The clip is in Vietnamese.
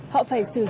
họ phải sử dụng